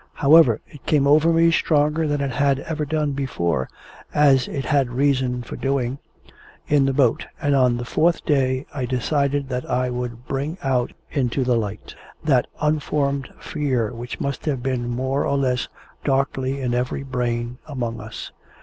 However, it came over me stronger than it had ever done before as it had reason for doing in the boat, and on the fourth day I decided that I would bring out into the light that unformed fear which must have been more or less darkly in every brain among us.